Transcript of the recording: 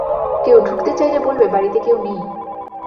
কেউ ঢুকতে চাইলে বলবে, বাড়িতে কেউ নেই।